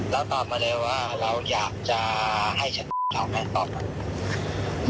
แล้วต่อมาแล้วว่าเราอยากจะให้ฉันเขาไงต่อป่ะ